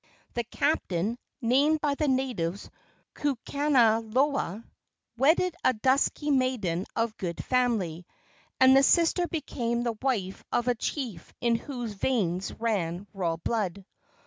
The captain named by the natives Kukanaloa wedded a dusky maiden of good family, and the sister became the wife of a chief in whose veins ran royal blood.